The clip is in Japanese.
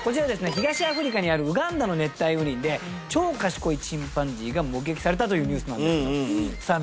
東アフリカにあるウガンダの熱帯雨林で超賢いチンパンジーが目撃されたというニュースなんですけどさあ